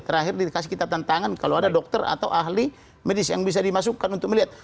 terakhir dikasih kita tantangan kalau ada dokter atau ahli medis yang bisa dimasukkan untuk melihat